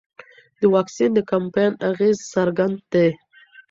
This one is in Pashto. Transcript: د واکسین د کمپاین اغېز څرګند دی.